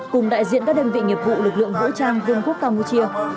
cùng đại diện các đơn vị nghiệp vụ lực lượng vũ trang vương quốc campuchia